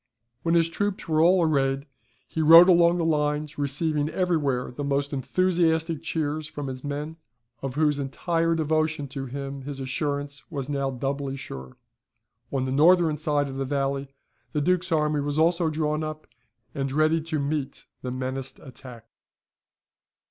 [Siborne, vol. i. p. 376.] When his troops were all arrayed, he rode along the lines, receiving everywhere the most enthusiastic cheers from his men, of whose entire devotion to him his assurance was now doubly sure. On the northern side of the valley the Duke's army was also drawn up, and ready to meet the menaced attack.